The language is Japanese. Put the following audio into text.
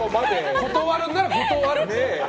断るんなら断る。